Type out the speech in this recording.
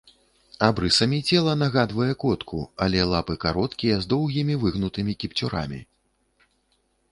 Абрысамі цела нагадвае котку, але лапы кароткія, з доўгімі выгнутымі кіпцюрамі.